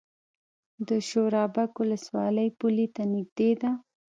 د شورابک ولسوالۍ پولې ته نږدې ده